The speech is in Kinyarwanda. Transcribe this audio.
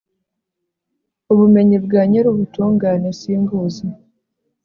ubumenyi bwa nyir'ubutungane simbuzi